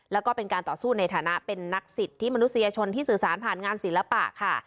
แล้วก็เป็นการต่อสู้ในฐานะเป็นนักสิทธิมนุษยชนที่สื่อสารผ่านงานศิลปะค่ะ